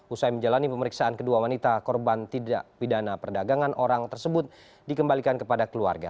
usai menjalani pemeriksaan kedua wanita korban tidak pidana perdagangan orang tersebut dikembalikan kepada keluarga